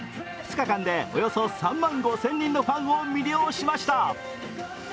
２日間でおよそ３万５０００人のファンを魅了しました。